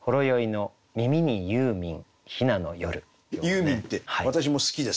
ユーミンって私も好きですけど。